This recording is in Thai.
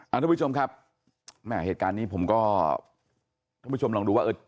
ทุกผู้ชมครับแม่เหตุการณ์นี้ผมก็ท่านผู้ชมลองดูว่าเออ